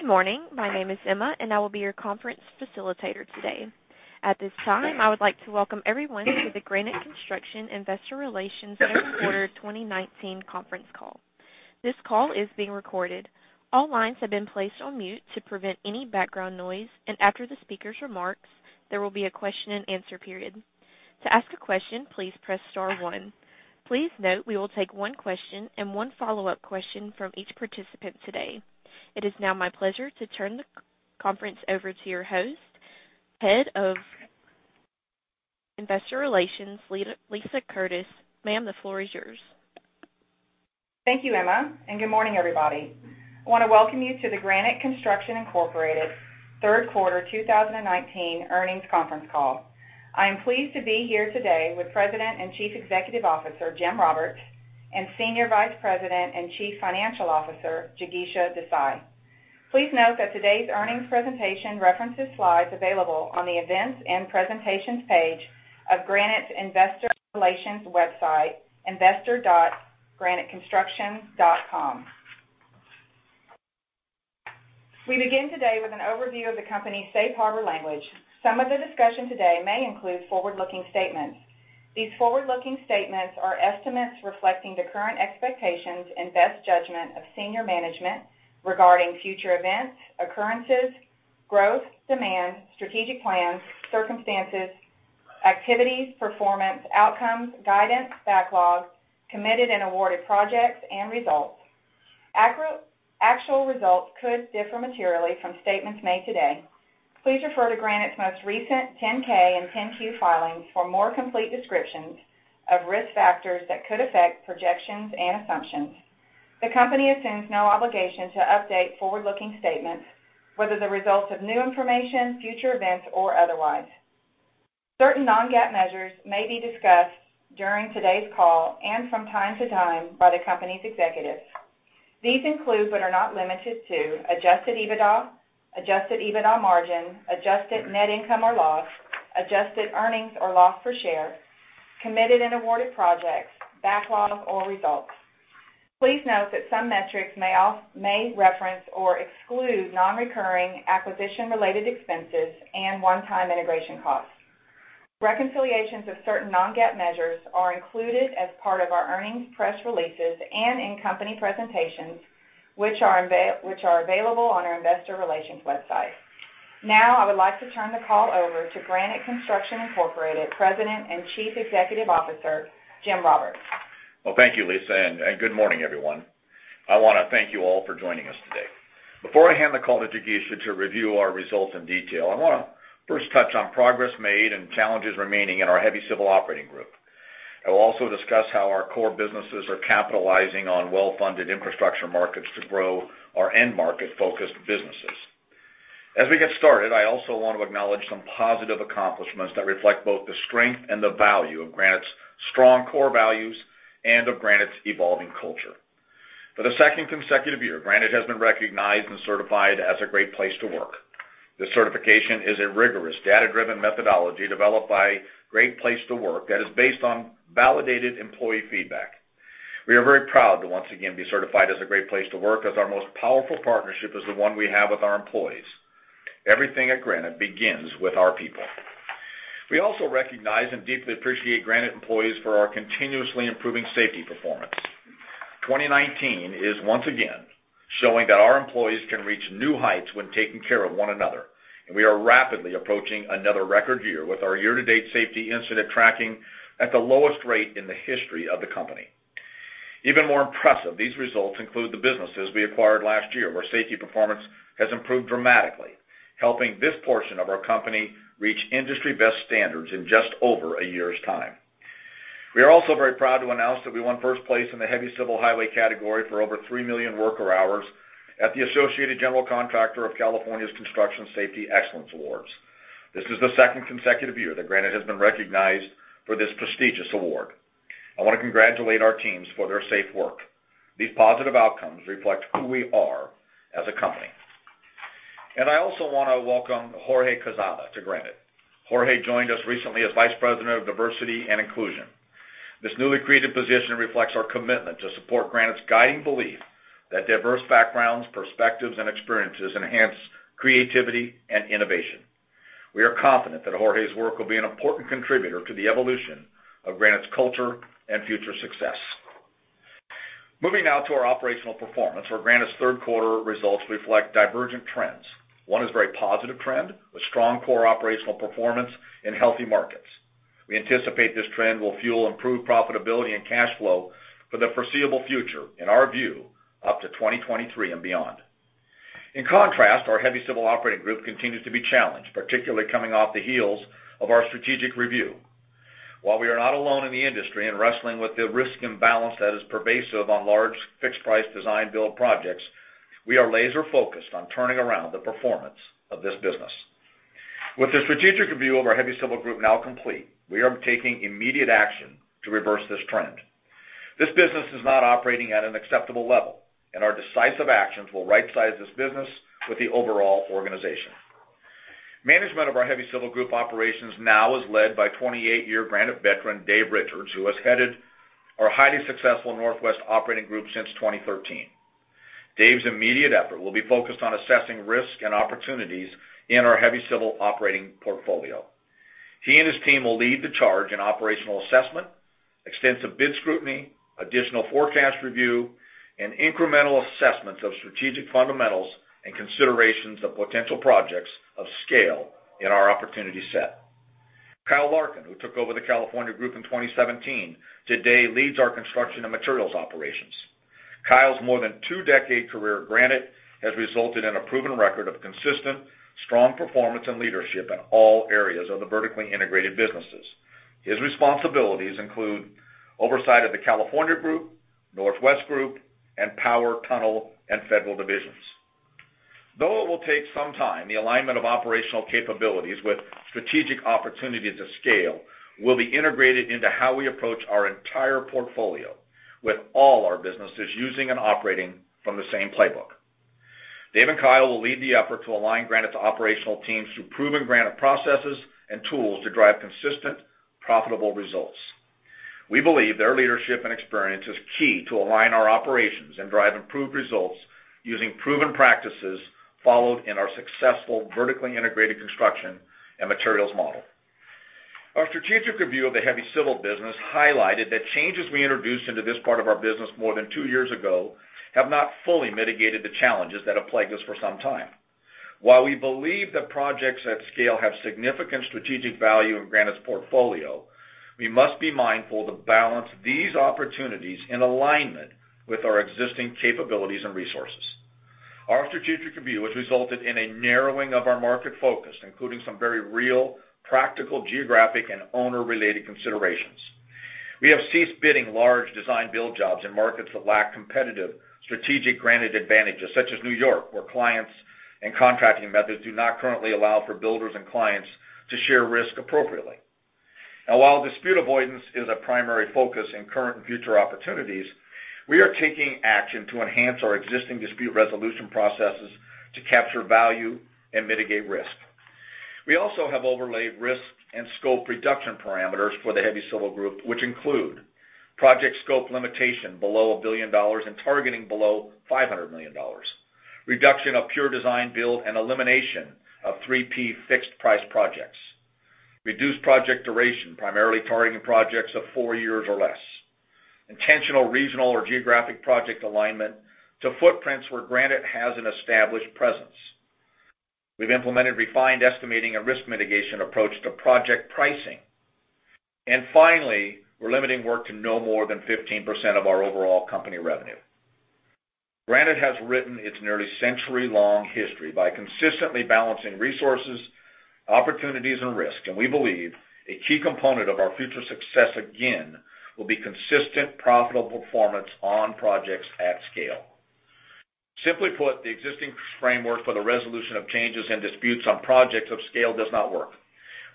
Good morning. My name is Emma, and I will be your conference facilitator today. At this time, I would like to welcome everyone to the Granite Construction Investor Relations Third Quarter 2019 Conference Call. This call is being recorded. All lines have been placed on mute to prevent any background noise, and after the speaker's remarks, there will be a question-and-answer period. To ask a question, please press star one. Please note, we will take one question and one follow-up question from each participant today. It is now my pleasure to turn the conference over to your host, Head of Investor Relations, Lisa Curtis. Ma'am, the floor is yours. Thank you, Emma, and good morning, everybody. I wanna welcome you to the Granite Construction Incorporated Third Quarter 2019 Earnings Conference Call. I am pleased to be here today with President and Chief Executive Officer, Jim Roberts, and Senior Vice President and Chief Financial Officer, Jigisha Desai. Please note that today's earnings presentation references slides available on the Events and Presentations page of Granite's Investor Relations website, investor.graniteconstruction.com. We begin today with an overview of the company's safe harbor language. Some of the discussion today may include forward-looking statements. These forward-looking statements are estimates reflecting the current expectations and best judgment of senior management regarding future events, occurrences, growth, demand, strategic plans, circumstances, activities, performance, outcomes, guidance, backlog, committed and awarded projects, and results. Actual results could differ materially from statements made today. Please refer to Granite's most recent 10-K and 10-Q filings for more complete descriptions of risk factors that could affect projections and assumptions. The company assumes no obligation to update forward-looking statements, whether the results of new information, future events, or otherwise. Certain non-GAAP measures may be discussed during today's call and from time to time by the company's executives. These include, but are not limited to, adjusted EBITDA, adjusted EBITDA Margin, adjusted Net Income or Loss, adjusted Earnings or Loss Per Share, committed and awarded projects, backlogs, or results. Please note that some metrics may reference or exclude non-recurring acquisition-related expenses and one-time integration costs. Reconciliations of certain non-GAAP measures are included as part of our earnings press releases and in company presentations, which are available on our investor relations website. Now, I would like to turn the call over to Granite Construction Incorporated, President and Chief Executive Officer, Jim Roberts. Well, thank you, Lisa, and good morning, everyone. I wanna thank you all for joining us today. Before I hand the call to Jigisha to review our results in detail, I wanna first touch on progress made and challenges remaining in our heavy civil operating group. I will also discuss how our core businesses are capitalizing on well-funded infrastructure markets to grow our end-market-focused businesses. As we get started, I also want to acknowledge some positive accomplishments that reflect both the strength and the value of Granite's strong core values and of Granite's evolving culture. For the second consecutive year, Granite has been recognized and certified as a Great Place to Work. This certification is a rigorous, data-driven methodology developed by Great Place to Work that is based on validated employee feedback. We are very proud to once again be certified as a Great Place to Work, as our most powerful partnership is the one we have with our employees. Everything at Granite begins with our people. We also recognize and deeply appreciate Granite employees for our continuously improving safety performance. 2019 is once again showing that our employees can reach new heights when taking care of one another, and we are rapidly approaching another record year with our year-to-date safety incident tracking at the lowest rate in the history of the company. Even more impressive, these results include the businesses we acquired last year, where safety performance has improved dramatically, helping this portion of our company reach industry-best standards in just over a year's time. We are also very proud to announce that we won first place in the Heavy Civil Highway category for over 3 million worker hours at the Associated General Contractors of California's Construction Safety Excellence Awards. This is the second consecutive year that Granite has been recognized for this prestigious award. I wanna congratulate our teams for their safe work. These positive outcomes reflect who we are as a company. And I also wanna welcome Jorge Quezada to Granite. Jorge joined us recently as Vice President of Diversity and Inclusion. This newly created position reflects our commitment to support Granite's guiding belief that diverse backgrounds, perspectives, and experiences enhance creativity and innovation. We are confident that Jorge's work will be an important contributor to the evolution of Granite's culture and future success. Moving now to our operational performance, where Granite's third quarter results reflect divergent trends. One is a very positive trend with strong core operational performance in healthy markets. We anticipate this trend will fuel improved profitability and cash flow for the foreseeable future, in our view, up to 2023 and beyond. In contrast, our Heavy Civil Operating Group continues to be challenged, particularly coming off the heels of our strategic review. While we are not alone in the industry in wrestling with the risk and balance that is pervasive on large, fixed-price design-build projects, we are laser-focused on turning around the performance of this business. With the strategic review of our Heavy Civil Group now complete, we are taking immediate action to reverse this trend. This business is not operating at an acceptable level, and our decisive actions will rightsize this business with the overall organization... Management of our Heavy Civil Group operations now is led by 28-year Granite veteran, Dave Richards, who has headed our highly successful Northwest Operating Group since 2013. Dave's immediate effort will be focused on assessing risk and opportunities in our Heavy Civil operating portfolio. He and his team will lead the charge in operational assessment, extensive bid scrutiny, additional forecast review, and incremental assessments of strategic fundamentals and considerations of potential projects of scale in our opportunity set. Kyle Larkin, who took over the California Group in 2017, today leads our construction and materials operations. Kyle's more than two-decade career at Granite has resulted in a proven record of consistent, strong performance and leadership in all areas of the vertically integrated businesses. His responsibilities include oversight of the California Group, Northwest Group, and Power, Tunnel, and Federal Divisions. Though it will take some time, the alignment of operational capabilities with strategic opportunities of scale will be integrated into how we approach our entire portfolio, with all our businesses using and operating from the same playbook. Dave and Kyle will lead the effort to align Granite's operational teams through proven Granite processes and tools to drive consistent, profitable results. We believe their leadership and experience is key to align our operations and drive improved results using proven practices followed in our successful vertically integrated construction and materials model. Our strategic review of the Heavy Civil business highlighted that changes we introduced into this part of our business more than two years ago, have not fully mitigated the challenges that have plagued us for some time. While we believe that projects at scale have significant strategic value in Granite's portfolio, we must be mindful to balance these opportunities in alignment with our existing capabilities and resources. Our strategic review has resulted in a narrowing of our market focus, including some very real, practical, geographic, and owner-related considerations. We have ceased bidding large design build jobs in markets that lack competitive strategic Granite advantages, such as New York, where clients and contracting methods do not currently allow for builders and clients to share risk appropriately. Now, while dispute avoidance is a primary focus in current and future opportunities, we are taking action to enhance our existing dispute resolution processes to capture value and mitigate risk. We also have overlaid risk and scope reduction parameters for the Heavy Civil Group, which include project scope limitation below $1 billion and targeting below $500 million. Reduction of pure design-build and elimination of three P fixed-price projects. Reduced project duration, primarily targeting projects of four years or less. Intentional, regional, or geographic project alignment to footprints where Granite has an established presence. We've implemented refined estimating and risk mitigation approach to project pricing. And finally, we're limiting work to no more than 15% of our overall company revenue. Granite has written its nearly century-long history by consistently balancing resources, opportunities, and risk, and we believe a key component of our future success, again, will be consistent, profitable performance on projects at scale. Simply put, the existing framework for the resolution of changes and disputes on projects of scale does not work.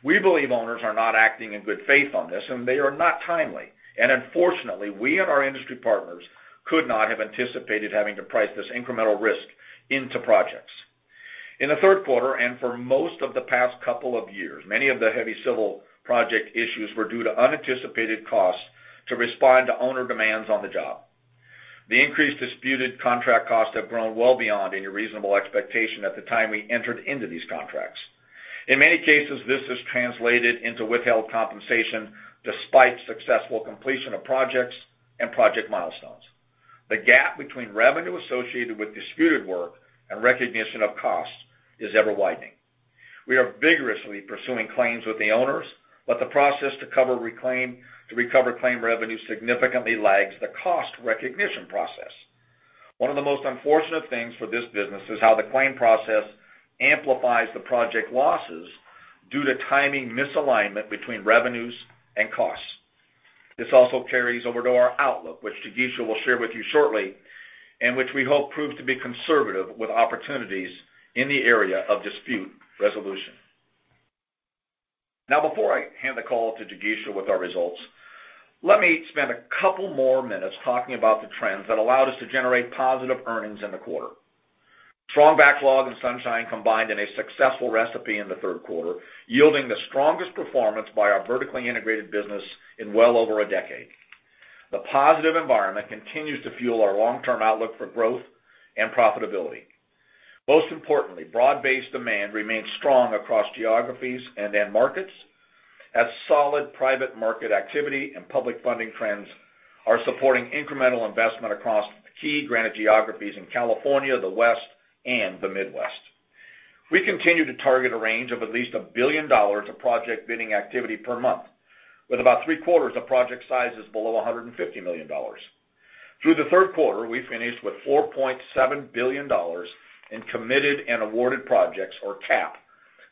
We believe owners are not acting in good faith on this, and they are not timely, and unfortunately, we and our industry partners could not have anticipated having to price this incremental risk into projects. In the third quarter, and for most of the past couple of years, many of the Heavy Civil project issues were due to unanticipated costs to respond to owner demands on the job. The increased disputed contract costs have grown well beyond any reasonable expectation at the time we entered into these contracts. In many cases, this has translated into withheld compensation, despite successful completion of projects and project milestones. The gap between revenue associated with disputed work and recognition of costs is ever widening. We are vigorously pursuing claims with the owners, but the process to recover claimed revenue significantly lags the cost recognition process. One of the most unfortunate things for this business is how the claim process amplifies the project losses due to timing misalignment between revenues and costs. This also carries over to our outlook, which Jigisha will share with you shortly, and which we hope proves to be conservative with opportunities in the area of dispute resolution. Now, before I hand the call to Jigisha with our results, let me spend a couple more minutes talking about the trends that allowed us to generate positive earnings in the quarter. Strong backlog and sunshine combined in a successful recipe in the third quarter, yielding the strongest performance by our vertically integrated business in well over a decade. The positive environment continues to fuel our long-term outlook for growth and profitability. Most importantly, broad-based demand remains strong across geographies and end markets, as solid private market activity and public funding trends are supporting incremental investment across key Granite geographies in California, the West, and the Midwest. We continue to target a range of at least $1 billion of project bidding activity per month, with about three-quarters of project sizes below $150 million. Through the third quarter, we finished with $4.7 billion in committed and awarded projects, or CAP,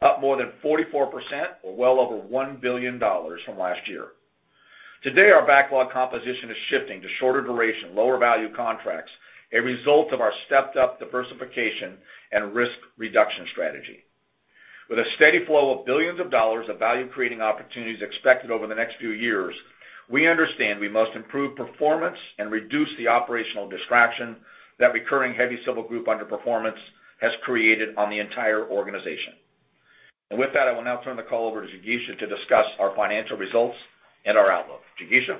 up more than 44% or well over $1 billion from last year. Today, our backlog composition is shifting to shorter duration, lower value contracts, a result of our stepped-up diversification and risk reduction strategy. With a steady flow of billions of dollars of value-creating opportunities expected over the next few years. We understand we must improve performance and reduce the operational distraction that recurring Heavy Civil group underperformance has created on the entire organization. With that, I will now turn the call over to Jigisha to discuss our financial results and our outlook. Jigisha?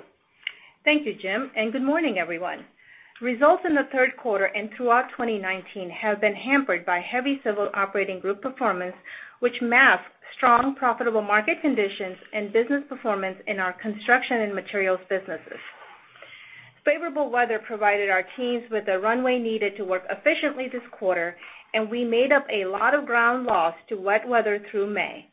Thank you, Jim, and good morning, everyone. Results in the third quarter and throughout 2019 have been hampered by Heavy Civil Operating Group performance, which masked strong, profitable market conditions and business performance in our construction and materials businesses. Favorable weather provided our teams with the runway needed to work efficiently this quarter, and we made up a lot of ground lost to wet weather through May.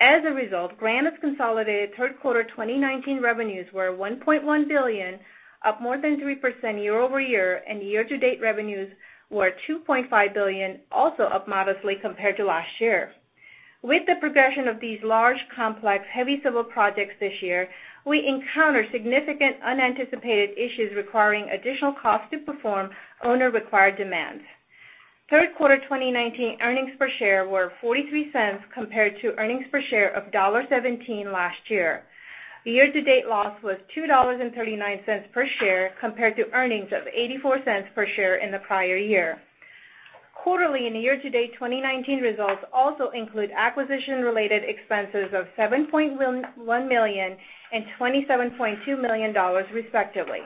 As a result, Granite's consolidated third quarter 2019 revenues were $1.1 billion, up more than 3% year-over-year, and year-to-date revenues were $2.5 billion, also up modestly compared to last year. With the progression of these large, complex, heavy civil projects this year, we encountered significant unanticipated issues requiring additional cost to perform owner-required demands. Third quarter 2019 earnings per share were $0.43 compared to earnings per share of $1.17 last year. The year-to-date loss was $2.39 per share, compared to earnings of $0.84 per share in the prior year. Quarterly and the year-to-date 2019 results also include acquisition-related expenses of $7.11 million and $27.2 million, respectively.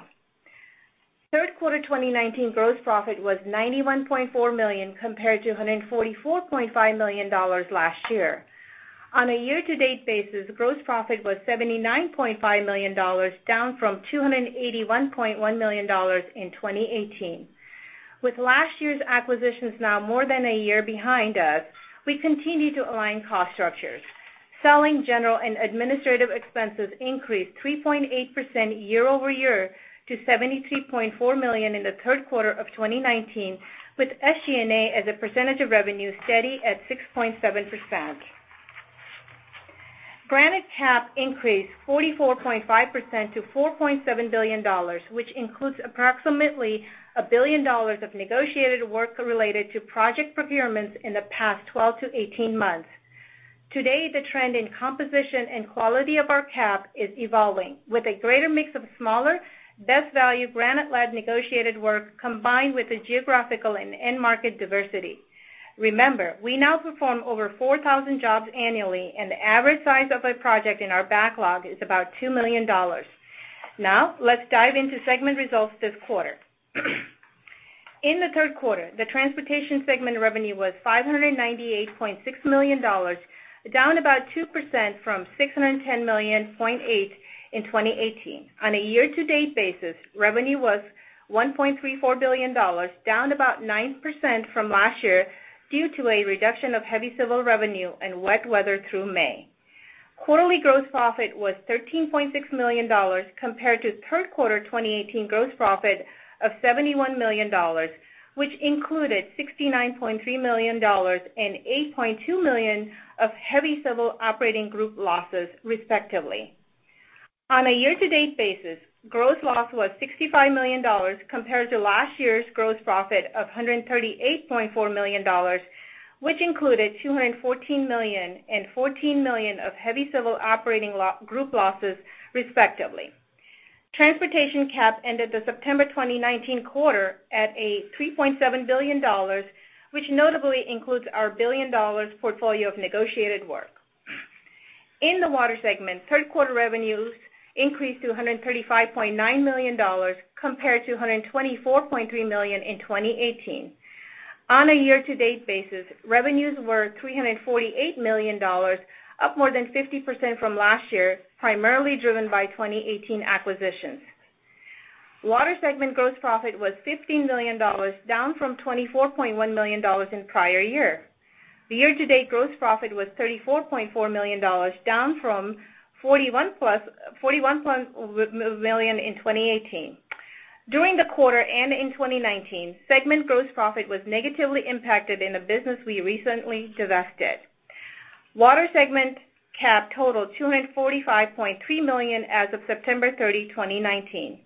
Third quarter 2019 gross profit was $91.4 million, compared to $144.5 million last year. On a year-to-date basis, gross profit was $79.5 million, down from $281.1 million in 2018. With last year's acquisitions now more than a year behind us, we continue to align cost structures. Selling, general, and administrative expenses increased 3.8% year-over-year to $73.4 million in the third quarter of 2019, with SG&A as a percentage of revenue steady at 6.7%. Granite CAP increased 44.5% to $4.7 billion, which includes approximately $1 billion of negotiated work related to project procurements in the past 12-18 months. Today, the trend in composition and quality of our CAP is evolving, with a greater mix of smaller, best-value, Granite-led negotiated work, combined with the geographical and end-market diversity. Remember, we now perform over 4,000 jobs annually, and the average size of a project in our backlog is about $2 million. Now, let's dive into segment results this quarter. In the third quarter, the Transportation segment revenue was $598.6 million, down about 2% from $610.8 million in 2018. On a year-to-date basis, revenue was $1.34 billion, down about 9% from last year due to a reduction of Heavy Civil revenue and wet weather through May. Quarterly gross profit was $13.6 million, compared to third quarter 2018 gross profit of $71 million, which included $69.3 million and $8.2 million of Heavy Civil Operating Group losses, respectively. On a year-to-date basis, gross loss was $65 million, compared to last year's gross profit of $138.4 million, which included $214 million and $14 million of Heavy Civil Operating Group losses, respectively. Transportation CAP ended the September 2019 quarter at $3.7 billion, which notably includes our $1 billion portfolio of negotiated work. In the Water segment, third quarter revenues increased to $135.9 million, compared to $124.3 million in 2018. On a year-to-date basis, revenues were $348 million, up more than 50% from last year, primarily driven by 2018 acquisitions. Water segment gross profit was $15 million, down from $24.1 million in prior year. The year-to-date gross profit was $34.4 million, down from $41 million in 2018. During the quarter and in 2019, segment gross profit was negatively impacted in a business we recently divested. Water segment CAP totaled $245.3 million as of September 30, 2019.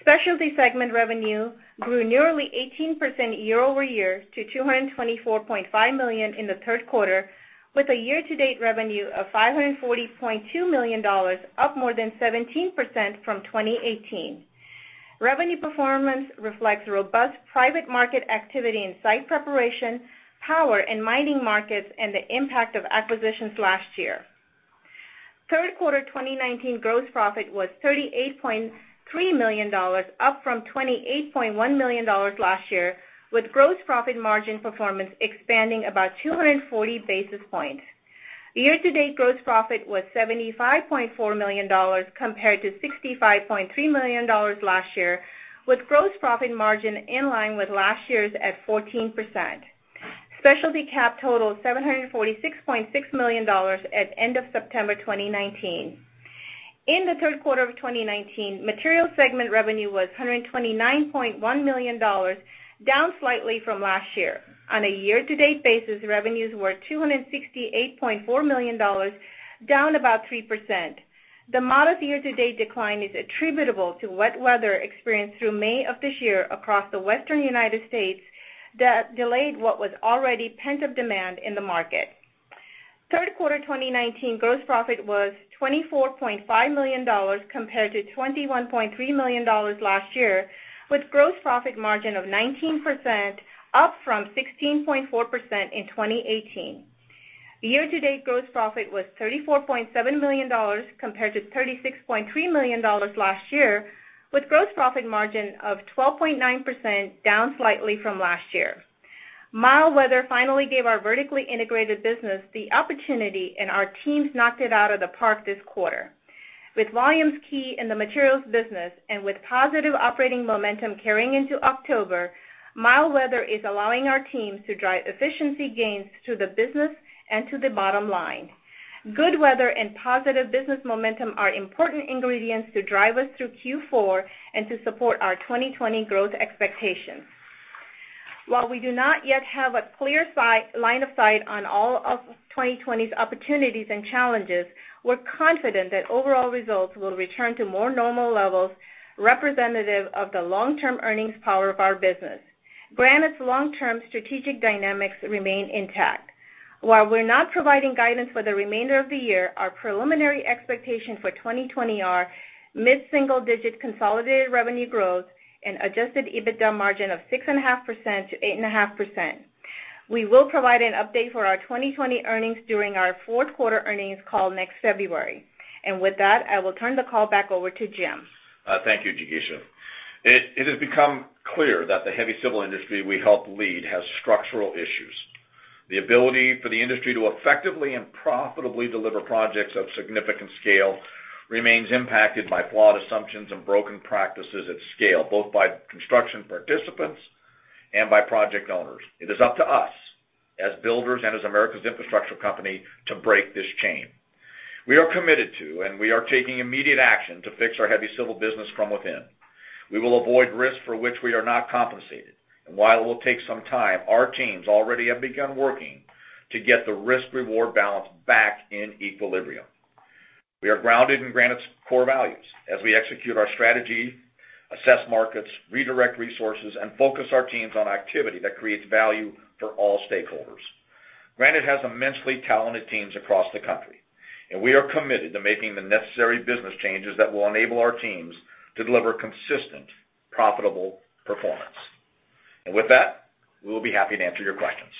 Specialty segment revenue grew nearly 18% year-over-year to $224.5 million in the third quarter, with a year-to-date revenue of $540.2 million, up more than 17% from 2018. Revenue performance reflects robust private market activity in site preparation, power, and mining markets, and the impact of acquisitions last year. Third quarter 2019 gross profit was $38.3 million, up from $28.1 million last year, with gross profit margin performance expanding about 240 basis points. The year-to-date gross profit was $75.4 million, compared to $65.3 million last year, with gross profit margin in line with last year's at 14%. Specialty CAP totaled $746.6 million at end of September 2019. In the third quarter of 2019, Materials segment revenue was $129.1 million, down slightly from last year. On a year-to-date basis, revenues were $268.4 million, down about 3%. The modest year-to-date decline is attributable to wet weather experienced through May of this year across the Western United States, that delayed what was already pent-up demand in the market.... Third quarter 2019 gross profit was $24.5 million compared to $21.3 million last year, with gross profit margin of 19%, up from 16.4% in 2018. Year-to-date gross profit was $34.7 million, compared to $36.3 million last year, with gross profit margin of 12.9%, down slightly from last year. Mild weather finally gave our vertically integrated business the opportunity, and our teams knocked it out of the park this quarter. With volumes key in the materials business and with positive operating momentum carrying into October, mild weather is allowing our teams to drive efficiency gains to the business and to the bottom line. Good weather and positive business momentum are important ingredients to drive us through Q4 and to support our 2020 growth expectations. While we do not yet have a clear line of sight on all of 2020's opportunities and challenges, we're confident that overall results will return to more normal levels, representative of the long-term earnings power of our business. Granite's long-term strategic dynamics remain intact. While we're not providing guidance for the remainder of the year, our preliminary expectations for 2020 are mid-single-digit consolidated revenue growth and adjusted EBITDA margin of 6.5%-8.5%. We will provide an update for our 2020 earnings during our fourth quarter earnings call next February. With that, I will turn the call back over to Jim. Thank you, Jigisha. It has become clear that the Heavy Civil industry we help lead has structural issues. The ability for the industry to effectively and profitably deliver projects of significant scale remains impacted by flawed assumptions and broken practices at scale, both by construction participants and by project owners. It is up to us, as builders and as America's infrastructure company, to break this chain. We are committed to, and we are taking immediate action to fix our Heavy Civil business from within. We will avoid risks for which we are not compensated. While it will take some time, our teams already have begun working to get the risk-reward balance back in equilibrium. We are grounded in Granite's core values as we execute our strategy, assess markets, redirect resources, and focus our teams on activity that creates value for all stakeholders. Granite has immensely talented teams across the country, and we are committed to making the necessary business changes that will enable our teams to deliver consistent, profitable performance. With that, we will be happy to answer your questions.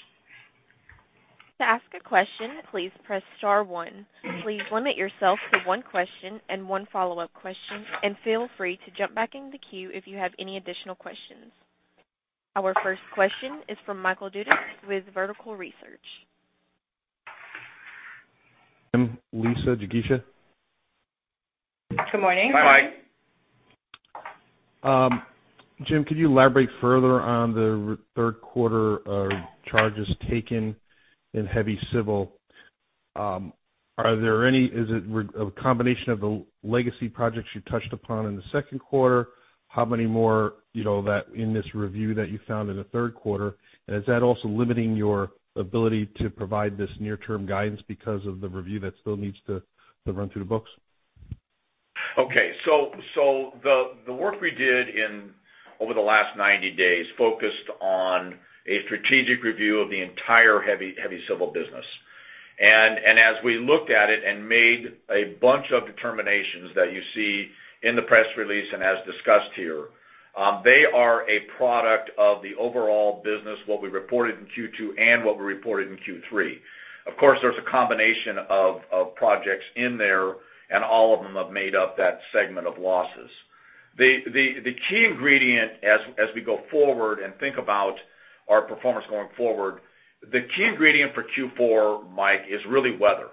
To ask a question, please press star one. Please limit yourself to one question and one follow-up question, and feel free to jump back in the queue if you have any additional questions. Our first question is from Michael Dudas with Vertical Research. Jim, Lisa, Jigisha. Good morning. Hi, Mike. Jim, could you elaborate further on the third quarter charges taken in heavy civil? Is it a combination of the legacy projects you touched upon in the second quarter? How many more, you know, that in this review that you found in the third quarter, and is that also limiting your ability to provide this near-term guidance because of the review that still needs to run through the books? Okay. So the work we did over the last 90 days focused on a strategic review of the entire heavy civil business. And as we looked at it and made a bunch of determinations that you see in the press release and as discussed here, they are a product of the overall business, what we reported in Q2 and what we reported in Q3. Of course, there's a combination of projects in there, and all of them have made up that segment of losses. The key ingredient as we go forward and think about our performance going forward, the key ingredient for Q4, Mike, is really weather.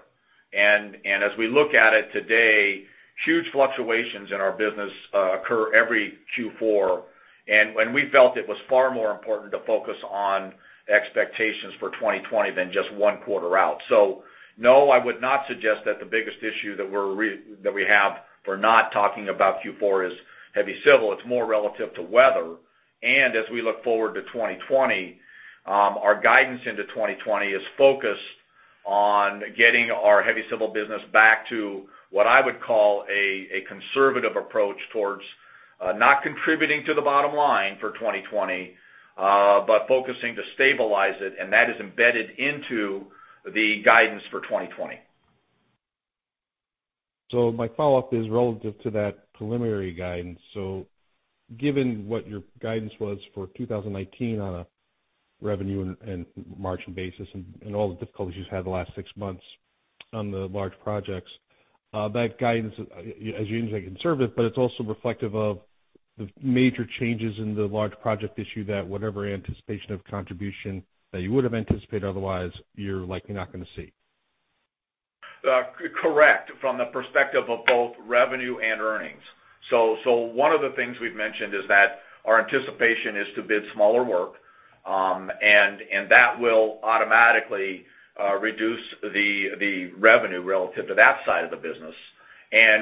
And as we look at it today, huge fluctuations in our business occur every Q4. And when we felt it was far more important to focus on expectations for 2020 than just one quarter out. So no, I would not suggest that the biggest issue that we have for not talking about Q4 is heavy civil. It's more relative to weather. And as we look forward to 2020, our guidance into 2020 is focused on getting our heavy civil business back to what I would call a, a conservative approach towards not contributing to the bottom line for 2020, but focusing to stabilize it, and that is embedded into the guidance for 2020. So my follow-up is relative to that preliminary guidance. So given what your guidance was for 2019 on a revenue and margin basis and all the difficulties you've had the last six months on the large projects, that guidance, as you mentioned, conservative, but it's also reflective of the major changes in the large project issue that whatever anticipation of contribution that you would have anticipated otherwise, you're likely not gonna see. Correct, from the perspective of both revenue and earnings. So one of the things we've mentioned is that our anticipation is to bid smaller work, and that will automatically reduce the revenue relative to that side of the business.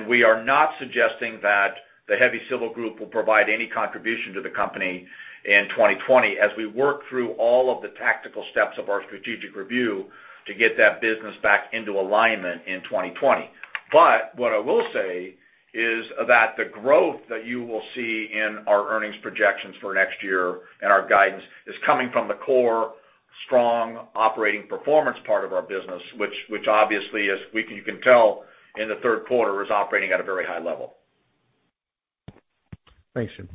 We are not suggesting that the Heavy Civil Group will provide any contribution to the company in 2020 as we work through all of the tactical steps of our strategic review to get that business back into alignment in 2020. But what I will say is that the growth that you will see in our earnings projections for next year and our guidance is coming from the core, strong operating performance part of our business, which obviously, as you can tell, in the third quarter, is operating at a very high level. Thanks, Jim.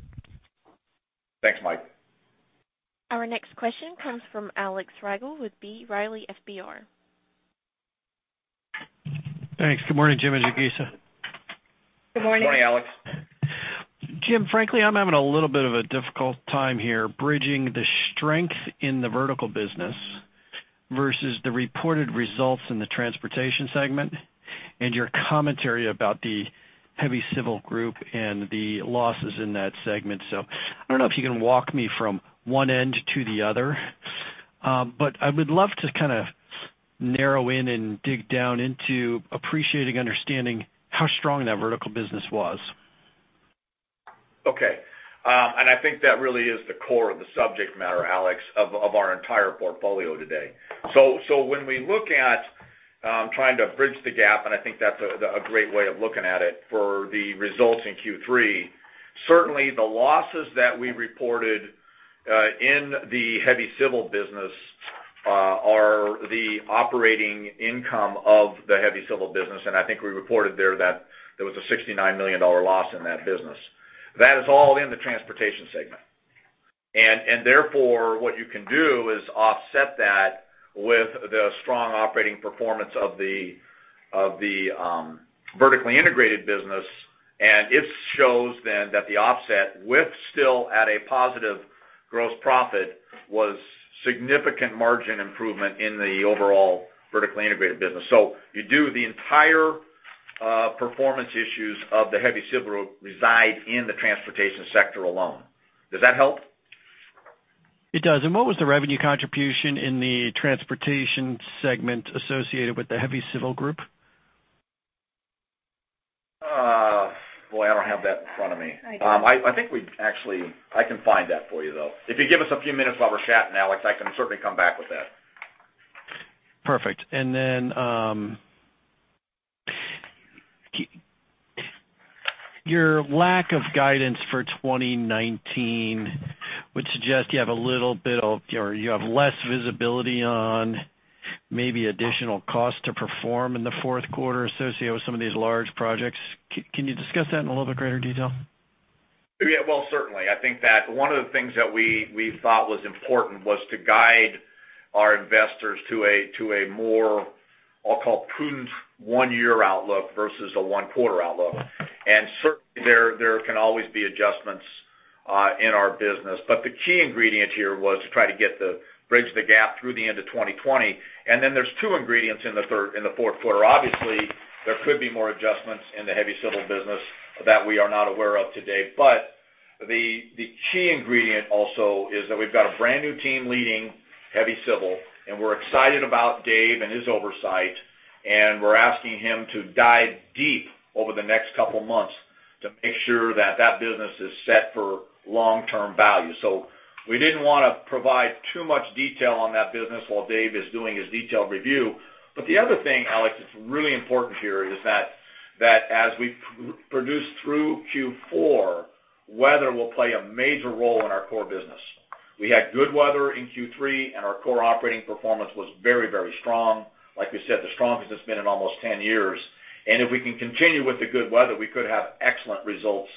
Thanks, Mike. Our next question comes from Alex Rygiel with B. Riley FBR. Thanks. Good morning, Jim and Lisa. Good morning. Good morning, Alex. Jim, frankly, I'm having a little bit of a difficult time here bridging the strength in the vertical business versus the reported results in the transportation segment, and your commentary about the Heavy Civil Group and the losses in that segment. So I don't know if you can walk me from one end to the other. But I would love to kind of narrow in and dig down into appreciating, understanding how strong that vertical business was. Okay. And I think that really is the core of the subject matter, Alex, of our entire portfolio today. So when we look at trying to bridge the gap, and I think that's a great way of looking at it for the results in Q3, certainly, the losses that we reported in the heavy civil business are the operating income of the heavy civil business, and I think we reported there that there was a $69 million loss in that business. That is all in the transportation segment. And therefore, what you can do is offset that with the strong operating performance of the vertically integrated business, and it shows then that the offset, with still at a positive gross profit, was significant margin improvement in the overall vertically integrated business. So you do the entire performance issues of the heavy civil reside in the transportation sector alone. Does that help? It does. What was the revenue contribution in the transportation segment associated with the Heavy Civil Group? Boy, I don't have that in front of me. I do. I think we actually. I can find that for you, though. If you give us a few minutes while we're chatting, Alex, I can certainly come back with that. Perfect. And then, your lack of guidance for 2019 would suggest you have a little bit of, or you have less visibility on maybe additional costs to perform in the fourth quarter associated with some of these large projects. Can you discuss that in a little bit greater detail? Yeah, well, certainly. I think that one of the things that we thought was important was to guide our investors to a more, I'll call, prudent 1-year outlook versus a 1-quarter outlook. And certainly, there can always be adjustments in our business. But the key ingredient here was to try to bridge the gap through the end of 2020. And then there's 2 ingredients in the fourth quarter. Obviously, there could be more adjustments in the heavy civil business that we are not aware of today. But the key ingredient also is that we've got a brand new team leading heavy civil, and we're excited about Dave and his oversight, and we're asking him to dive deep over the next couple of months to make sure that that business is set for long-term value. So we didn't wanna provide too much detail on that business while Dave is doing his detailed review. But the other thing, Alex, that's really important here is that as we produce through Q4, weather will play a major role in our core business. We had good weather in Q3, and our core operating performance was very, very strong. Like we said, the strongest it's been in almost 10 years. And if we can continue with the good weather, we could have excellent results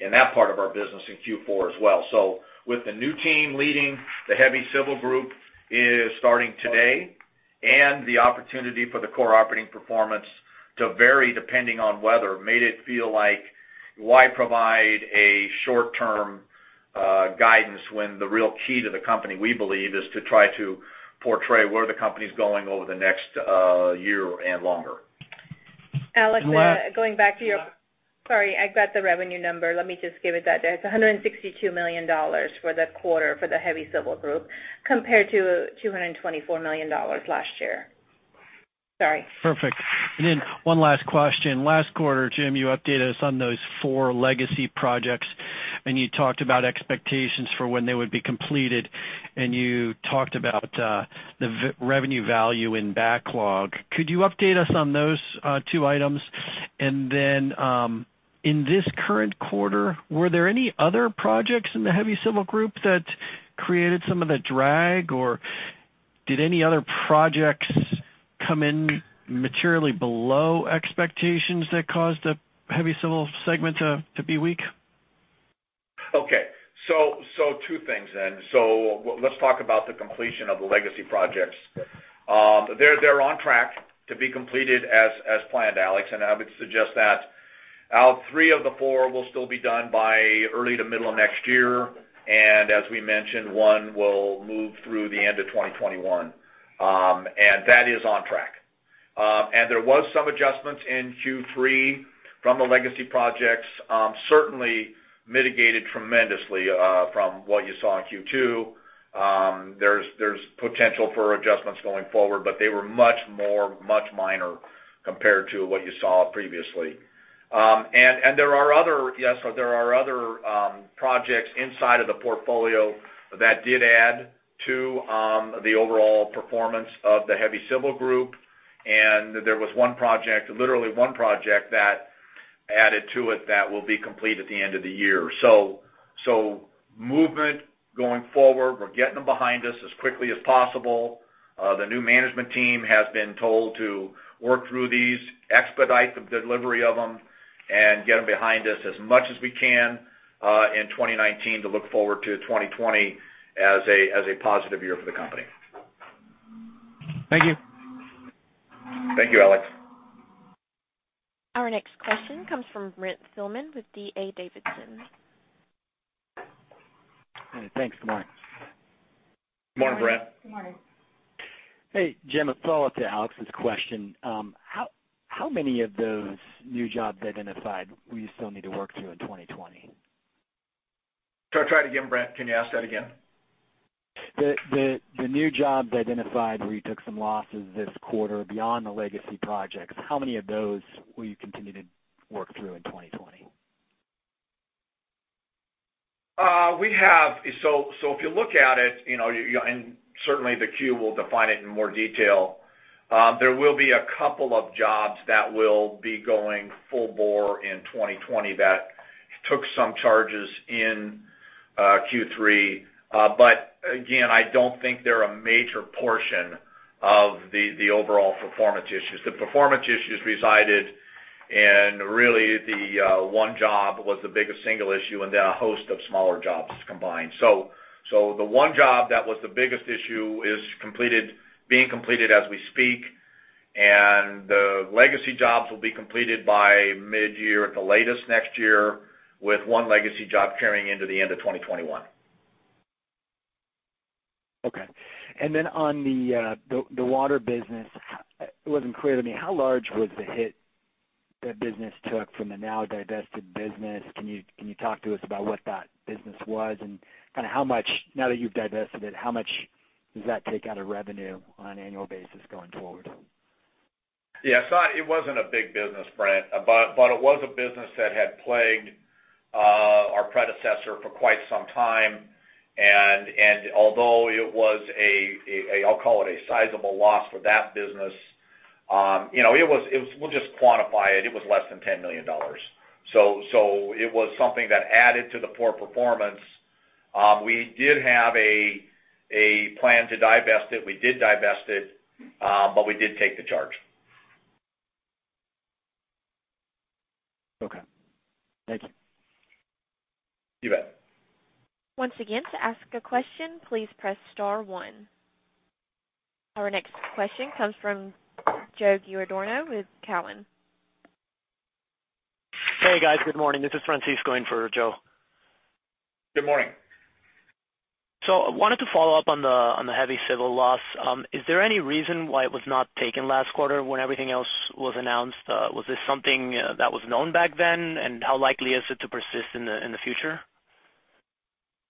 in that part of our business in Q4 as well. So with the new team leading, the Heavy Civil Group is starting today, and the opportunity for the core operating performance to vary depending on weather made it feel like, why provide a short-term guidance, when the real key to the company, we believe, is to try to portray where the company is going over the next year and longer. Alex, going back to your- sorry, I got the revenue number. Let me just give it that day. It's $162 million for the quarter for the Heavy Civil Group, compared to $224 million last year. Sorry. Perfect. And then one last question. Last quarter, Jim, you updated us on those four legacy projects, and you talked about expectations for when they would be completed, and you talked about the revenue value in backlog. Could you update us on those two items? And then, in this current quarter, were there any other projects in the Heavy Civil Group that created some of the drag, or did any other projects come in materially below expectations that caused the heavy civil segment to be weak? Okay. So two things then. So let's talk about the completion of the legacy projects. They're on track to be completed as planned, Alex, and I would suggest that three of the four will still be done by early to middle of next year, and as we mentioned, one will move through the end of 2021, and that is on track. And there was some adjustments in Q3 from the legacy projects, certainly mitigated tremendously from what you saw in Q2. There's potential for adjustments going forward, but they were much more minor compared to what you saw previously. And there are other projects inside of the portfolio that did add to... The overall performance of the Heavy Civil Group, and there was one project, literally one project, that added to it that will be complete at the end of the year. So, so movement going forward, we're getting them behind us as quickly as possible. The new management team has been told to work through these, expedite the delivery of them, and get them behind us as much as we can, in 2019 to look forward to 2020 as a, as a positive year for the company. Thank you. Thank you, Alex. Our next question comes from Brent Thielman with D.A. Davidson. Thanks. Good morning. Good morning, Brent. Good morning. Hey, Jim, a follow-up to Alex's question. How many of those new jobs identified will you still need to work through in 2020? Sorry, try it again, Brent. Can you ask that again? The new jobs identified where you took some losses this quarter beyond the legacy projects, how many of those will you continue to work through in 2020? We have, so if you look at it, you know, you, and certainly the Q will define it in more detail. There will be a couple of jobs that will be going full bore in 2020, that took some charges in Q3. But again, I don't think they're a major portion of the, the overall performance issues. The performance issues resided in really the one job was the biggest single issue and then a host of smaller jobs combined. So the one job that was the biggest issue is completed, being completed as we speak, and the legacy jobs will be completed by mid-year at the latest next year, with one legacy job carrying into the end of 2021. Okay. And then on the water business, it wasn't clear to me how large was the hit that business took from the now divested business? Can you talk to us about what that business was? And kind of how much, now that you've divested it, how much does that take out of revenue on an annual basis going forward? Yeah, so it wasn't a big business, Brent, but it was a business that had plagued our predecessor for quite some time. Although it was a, I'll call it a sizable loss for that business, you know, it was... We'll just quantify it. It was less than $10 million. So it was something that added to the poor performance. We did have a plan to divest it. We did divest it, but we did take the charge. Okay. Thank you. You bet. Once again, to ask a question, please press star one. Our next question comes from Joe Giordano with Cowen. Hey, guys. Good morning. This is Francis going for Joe. Good morning. So I wanted to follow up on the Heavy Civil loss. Is there any reason why it was not taken last quarter when everything else was announced? Was this something that was known back then, and how likely is it to persist in the future?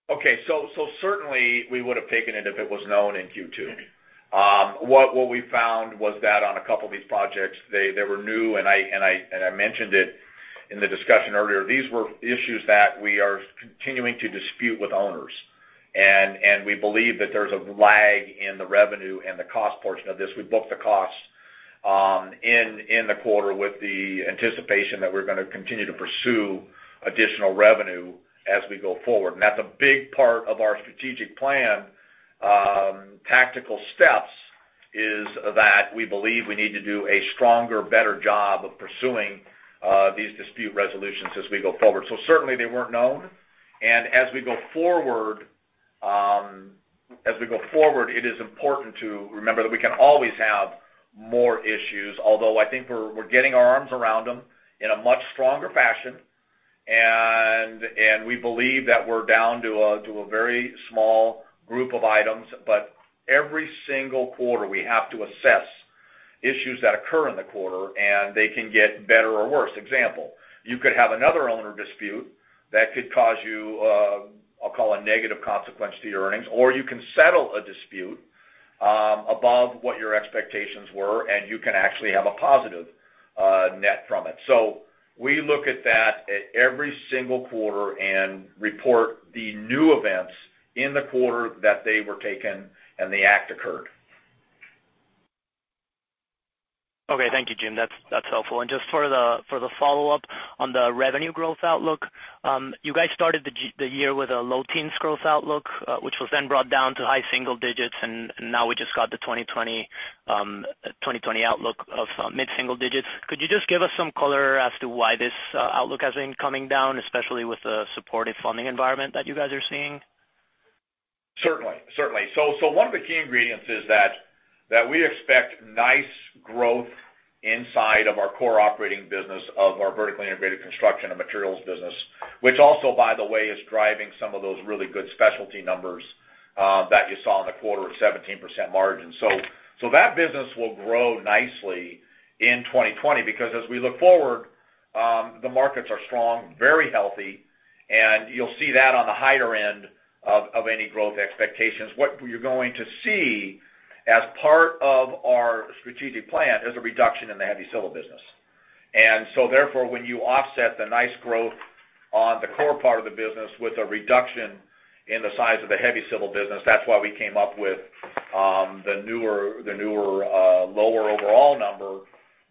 Okay. So certainly we would have taken it if it was known in Q2. What we found was that on a couple of these projects, they were new, and I mentioned it in the discussion earlier. These were issues that we are continuing to dispute with owners, and we believe that there's a lag in the revenue and the cost portion of this. We booked the costs in the quarter with the anticipation that we're gonna continue to pursue additional revenue as we go forward. That's a big part of our strategic plan, tactical steps, is that we believe we need to do a stronger, better job of pursuing these dispute resolutions as we go forward. So certainly, they weren't known, and as we go forward, it is important to remember that we can always have more issues, although I think we're getting our arms around them in a much stronger fashion. And we believe that we're down to a very small group of items, but every single quarter, we have to assess issues that occur in the quarter, and they can get better or worse. Example, you could have another owner dispute that could cause you, I'll call a negative consequence to your earnings, or you can settle a dispute above what your expectations were, and you can actually have a positive net from it. So we look at that at every single quarter and report the new events in the quarter that they were taken and the act occurred. Okay. Thank you, Jim. That's, that's helpful. And just for the follow-up on the revenue growth outlook, you guys started the year with a low teens growth outlook, which was then brought down to high single digits, and now we just got the 2020 outlook of mid-single digits. Could you just give us some color as to why this outlook has been coming down, especially with the supportive funding environment that you guys are seeing? Certainly, certainly. So one of the key ingredients is that we expect nice growth inside of our core operating business of our vertically integrated construction and materials business, which also, by the way, is driving some of those really good specialty numbers that you saw in the quarter of 17% margin. So that business will grow nicely in 2020, because as we look forward, the markets are strong, very healthy, and you'll see that on the higher end of any growth expectations. What you're going to see as part of our strategic plan is a reduction in the heavy civil business. So therefore, when you offset the nice growth on the core part of the business with a reduction in the size of the heavy civil business, that's why we came up with the newer lower overall number.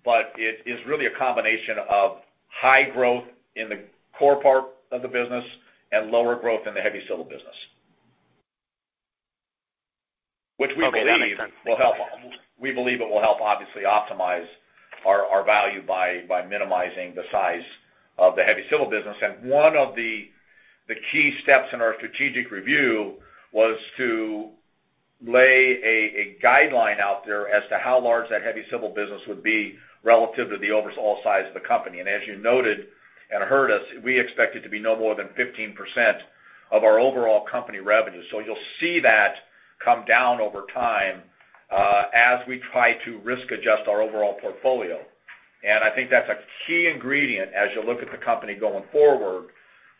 But it is really a combination of high growth in the core part of the business and lower growth in the heavy civil business, which we believe will help- Okay, that makes sense. We believe it will help, obviously, optimize our value by minimizing the size of the heavy civil business. One of the key steps in our strategic review was to lay a guideline out there as to how large that heavy civil business would be relative to the overall size of the company. As you noted and heard us, we expect it to be no more than 15% of our overall company revenue. So you'll see that come down over time, as we try to risk adjust our overall portfolio. I think that's a key ingredient as you look at the company going forward.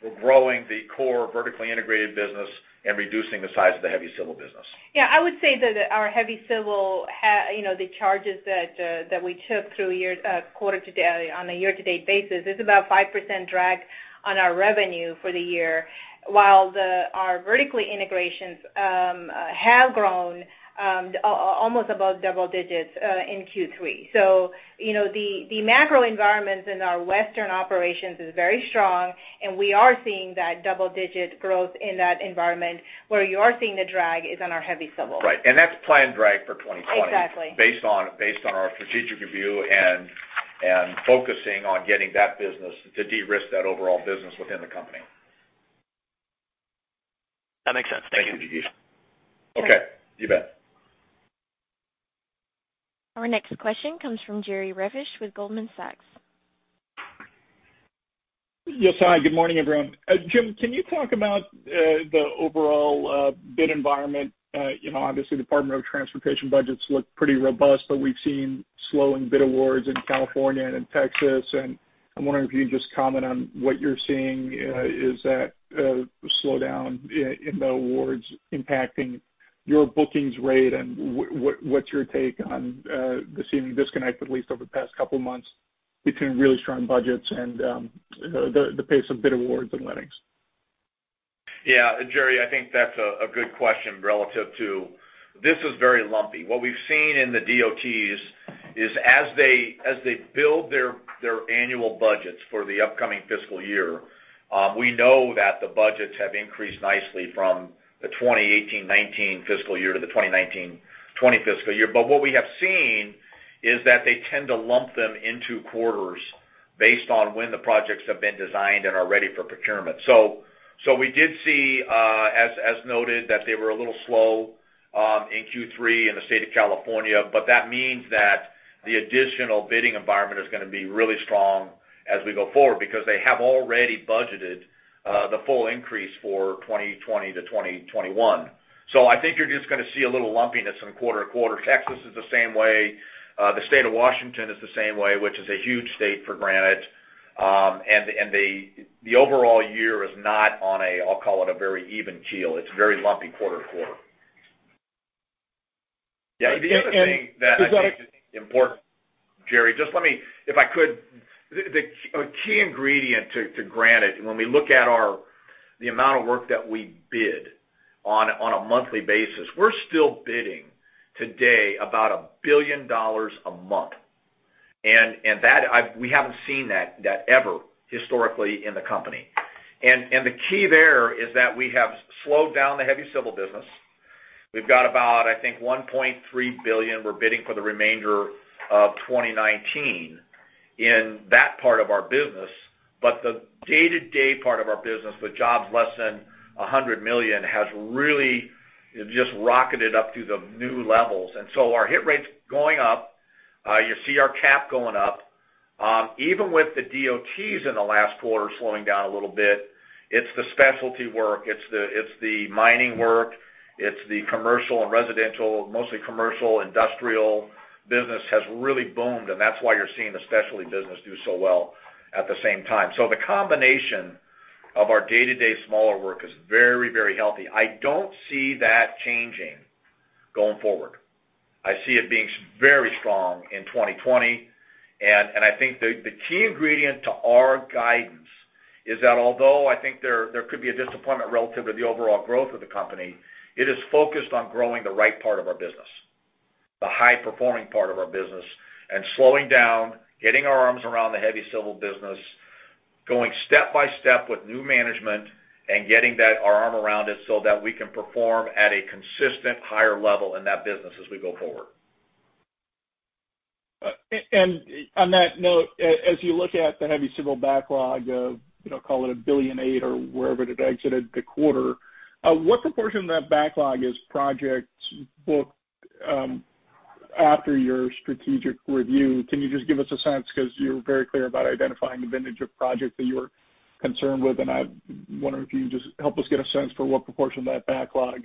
We're growing the core vertically integrated business and reducing the size of the heavy civil business. Yeah, I would say that our heavy civil, you know, the charges that that we took through year quarter to date, on a year-to-date basis, is about 5% drag on our revenue for the year, while the our vertically integrations have grown almost about double digits in Q3. So, you know, the the macro environment in our Western operations is very strong, and we are seeing that double digit growth in that environment, where you are seeing the drag is on our heavy civil. Right, and that's planned drag for 2020. Exactly. Based on our strategic review and focusing on getting that business to de-risk that overall business within the company. That makes sense. Thank you, Jigisha. Okay, you bet. Our next question comes from Jerry Revich with Goldman Sachs. Yes, hi, good morning, everyone. Jim, can you talk about the overall bid environment? You know, obviously, the Department of Transportation budgets look pretty robust, but we've seen slowing bid awards in California and in Texas, and I'm wondering if you can just comment on what you're seeing, is that slow down in the awards impacting your bookings rate, and what, what's your take on the seeming disconnect, at least over the past couple of months, between really strong budgets and the pace of bid awards and lettings? Yeah, Jerry, I think that's a good question relative to. This is very lumpy. What we've seen in the DOTs is as they build their annual budgets for the upcoming fiscal year, we know that the budgets have increased nicely from the 2018-2019 fiscal year to the 2019-2020 fiscal year. But what we have seen is that they tend to lump them into quarters based on when the projects have been designed and are ready for procurement. So, we did see, as noted, that they were a little slow in Q3 in the state of California, but that means that the additional bidding environment is gonna be really strong as we go forward, because they have already budgeted the full increase for 2020 to 2021. So I think you're just gonna see a little lumpiness in quarter to quarter. Texas is the same way, the state of Washington is the same way, which is a huge state for Granite. And the overall year is not on a, I'll call it, a very even keel. It's very lumpy quarter to quarter. Yeah, the other thing that I think is important, Jerry, just let me, if I could, a key ingredient to Granite, when we look at the amount of work that we bid on a monthly basis, we're still bidding today about $1 billion a month. And we haven't seen that ever historically in the company. And the key there is that we have slowed down the heavy civil business. We've got about, I think, $1.3 billion we're bidding for the remainder of 2019 in that part of our business. But the day-to-day part of our business, the jobs less than $100 million, has really just rocketed up to the new levels. And so our hit rate's going up. You see our cap going up. Even with the DOTs in the last quarter slowing down a little bit, it's the specialty work, it's the mining work, it's the commercial and residential, mostly commercial, industrial business has really boomed, and that's why you're seeing the specialty business do so well at the same time. So the combination of our day-to-day smaller work is very, very healthy. I don't see that changing going forward. I see it being very strong in 2020, and I think the key ingredient to our guidance is that although I think there could be a disappointment relative to the overall growth of the company, it is focused on growing the right part of our business, the high performing part of our business, and slowing down, getting our arms around the heavy civil business, going step by step with new management and getting our arm around it so that we can perform at a consistent higher level in that business as we go forward. And on that note, as you look at the heavy civil backlog of, you know, call it $1.8 billion or wherever it exited the quarter, what proportion of that backlog is projects booked after your strategic review? Can you just give us a sense, because you're very clear about identifying the vintage of project that you're concerned with, and I wonder if you can just help us get a sense for what proportion of that backlog,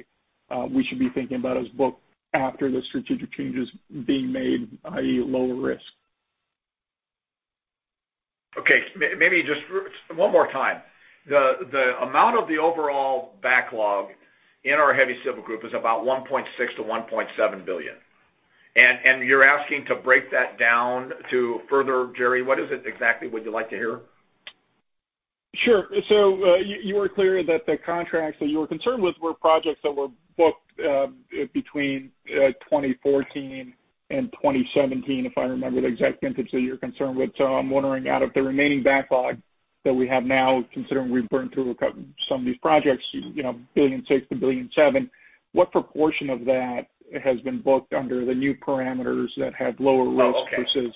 we should be thinking about as booked after the strategic changes being made, i.e., lower risk? Okay, maybe just one more time. The amount of the overall backlog in our Heavy Civil Group is about $1.6-$1.7 billion. And you're asking to break that down further, Jerry. What is it exactly would you like to hear? Sure. So, you, you were clear that the contracts that you were concerned with were projects that were booked between 2014 and 2017, if I remember the exact vintage that you're concerned with. So I'm wondering, out of the remaining backlog that we have now, considering we've burned through some of these projects, you know, $1.6-$1.7 billion, what proportion of that has been booked under the new parameters that have lower risk. Oh, okay. Versus,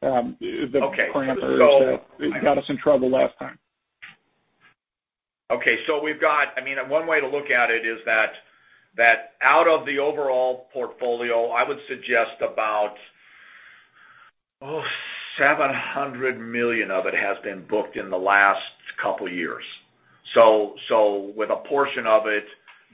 the parameters that. Okay. So. Got us in trouble last time? Okay, so we've got, I mean, one way to look at it is that out of the overall portfolio, I would suggest about $700 million of it has been booked in the last couple years. So with a portion of it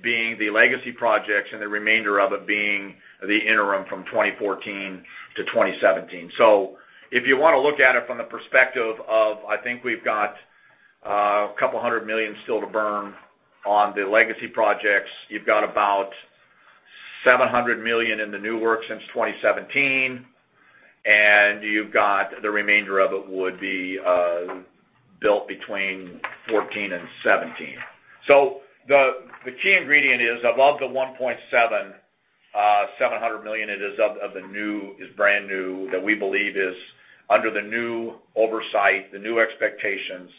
being the legacy projects and the remainder of it being the interim from 2014 to 2017. So if you wanna look at it from the perspective of, I think we've got $200 million still to burn on the legacy projects. You've got about $700 million in the new work since 2017, and you've got the remainder of it would be built between 2014 and 2017. So the key ingredient is of all the 1.7 $700 million is of the new is brand new that we believe is under the new oversight, the new expectations.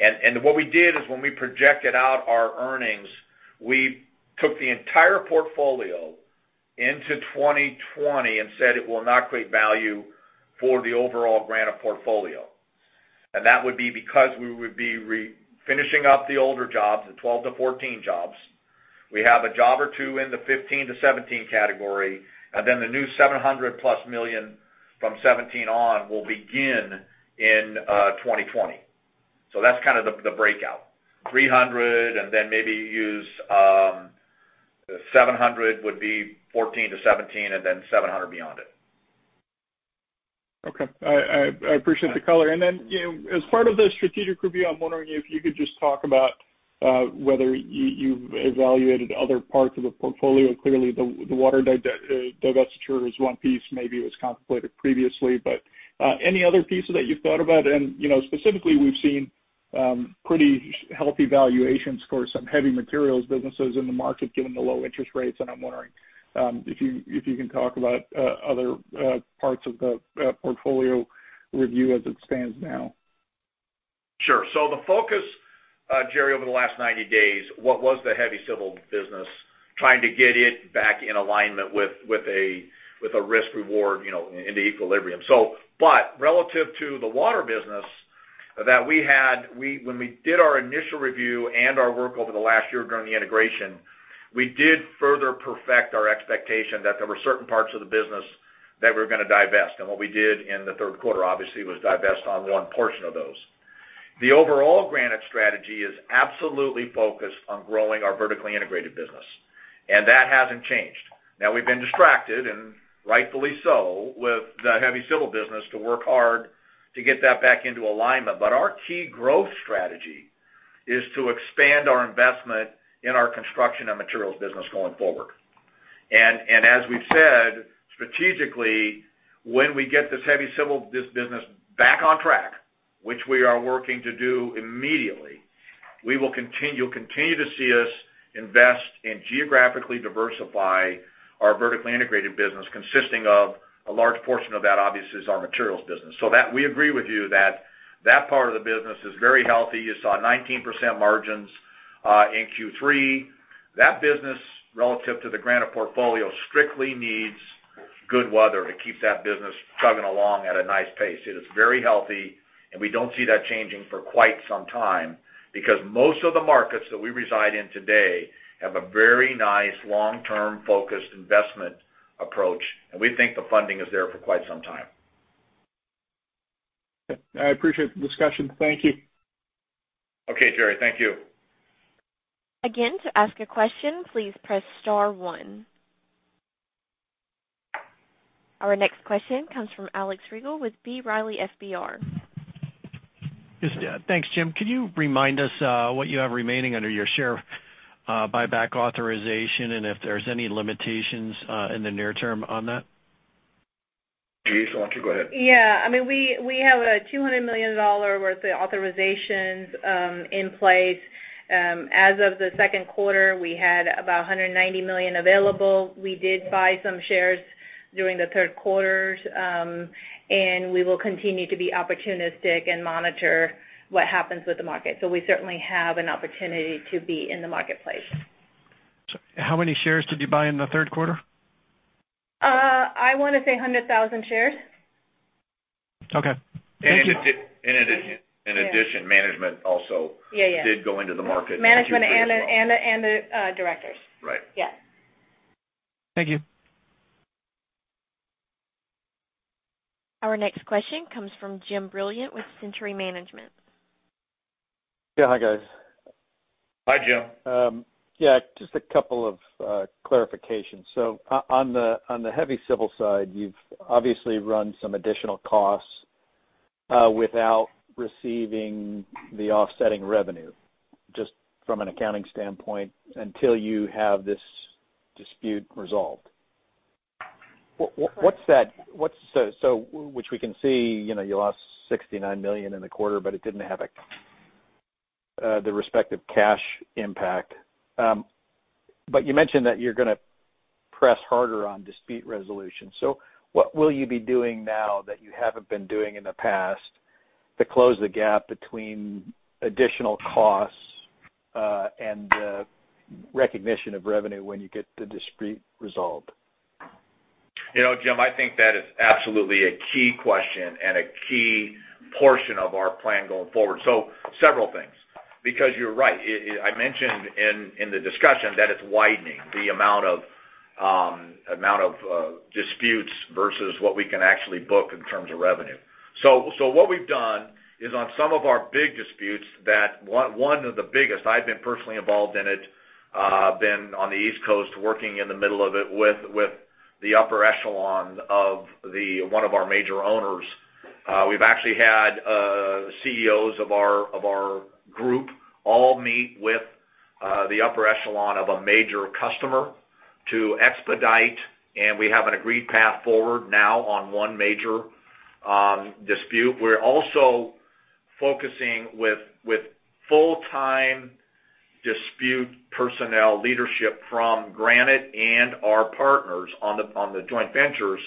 And what we did is when we projected out our earnings, we took the entire portfolio into 2020 and said it will not create value for the overall Granite portfolio. And that would be because we would be refinishing up the older jobs, the 12-14 jobs. We have a job or two in the 15-17 category, and then the new $700+ million from 2017 on will begin in 2020. So that's kind of the breakout. $300, and then maybe use $700 would be 14-17, and then $700 beyond it. Okay. I appreciate the color. And then, you know, as part of the strategic review, I'm wondering if you could just talk about whether you've evaluated other parts of the portfolio. Clearly, the water divestiture is one piece, maybe it was contemplated previously, but any other pieces that you've thought about? And, you know, specifically, we've seen pretty healthy valuations for some heavy materials businesses in the market, given the low interest rates. And I'm wondering if you can talk about other parts of the portfolio review as it stands now. Sure. So the focus, Jerry, over the last 90 days, what was the heavy civil business, trying to get it back in alignment with a risk reward, you know, into equilibrium. So, but relative to the water business that we had, we, when we did our initial review and our work over the last year during the integration, we did further perfect our expectation that there were certain parts of the business that we're gonna divest. And what we did in the third quarter, obviously, was divest on one portion of those. The overall Granite strategy is absolutely focused on growing our vertically integrated business, and that hasn't changed. Now, we've been distracted, and rightfully so, with the heavy civil business, to work hard to get that back into alignment. But our key growth strategy is to expand our investment in our construction and materials business going forward. And as we've said, strategically, when we get this heavy civil business back on track, which we are working to do immediately, we will continue, you'll continue to see us invest and geographically diversify our vertically integrated business, consisting of a large portion of that, obviously, is our materials business. So that, we agree with you that that part of the business is very healthy. You saw 19% margins in Q3. That business, relative to the Granite portfolio, strictly needs good weather to keep that business chugging along at a nice pace. It is very healthy, and we don't see that changing for quite some time, because most of the markets that we reside in today have a very nice, long-term, focused investment approach, and we think the funding is there for quite some time. I appreciate the discussion. Thank you. Okay, Jerry. Thank you. Again, to ask a question, please press star one. Our next question comes from Alex Riegel with B. Riley FBR. Yes. Yeah. Thanks, Jim. Can you remind us what you have remaining under your share buyback authorization, and if there's any limitations in the near term on that? Jigisha, why don't you go ahead? Yeah. I mean, we have a $200 million worth of authorizations in place. As of the second quarter, we had about $190 million available. We did buy some shares during the third quarter, and we will continue to be opportunistic and monitor what happens with the market. So we certainly have an opportunity to be in the marketplace. How many shares did you buy in the third quarter? I wanna say 100,000 shares. Okay. And in addition, management also. Yeah, yeah. Did go into the market as well. Management and the directors. Right. Yes. Thank you. Our next question comes from Jim Brilliant with Century Management. Yeah. Hi, guys. Hi, Jim. Yeah, just a couple of clarifications. So on the heavy civil side, you've obviously run some additional costs without receiving the offsetting revenue, just from an accounting standpoint, until you have this dispute resolved. What's that, what's so which we can see, you know, you lost $69 million in the quarter, but it didn't have the respective cash impact. But you mentioned that you're gonna press harder on dispute resolution. So what will you be doing now that you haven't been doing in the past, to close the gap between additional costs and the recognition of revenue when you get the dispute resolved? You know, Jim, I think that is absolutely a key question and a key portion of our plan going forward. So several things, because you're right. It. I mentioned in the discussion that it's widening the amount of disputes versus what we can actually book in terms of revenue. So what we've done is on some of our big disputes that one of the biggest I've been personally involved in, been on the East Coast, working in the middle of it with the upper echelon of one of our major owners. We've actually had CEOs of our group all meet with the upper echelon of a major customer to expedite, and we have an agreed path forward now on one major dispute. We're also focusing with full-time dispute personnel, leadership from Granite and our partners on the joint ventures.